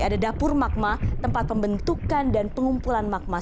ada dapur magma tempat pembentukan dan pengumpulan magma